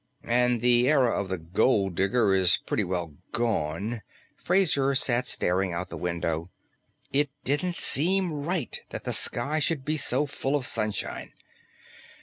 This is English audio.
"And the era of the gold digger is pretty well gone " Fraser sat staring out the window. It didn't seem right that the sky should be so full of sunshine.